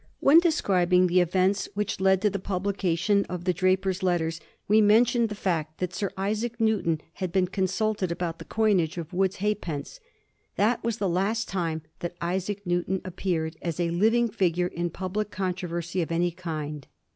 ^\Tien describing the events which led to the publication of the 'Drapier's Letters/ we mentioned the fact that Sir Isaac Newton had been consulted about the coinage of Wood's halfpence. That was the last time that Isaac Newton appeared as a living figure in public con troversy of any kind.